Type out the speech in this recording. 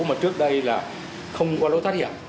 mà trước đây là không có lối thoát hiểm